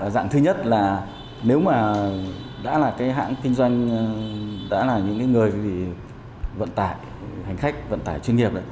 dạng thứ nhất là nếu mà đã là cái hãng kinh doanh đã là những người vận tải hành khách vận tải chuyên nghiệp